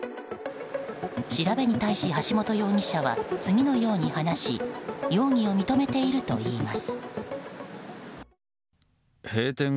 調べに対し橋本容疑者は次のように話し容疑を認めているといいます。